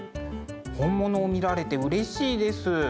本物を見られてうれしいです。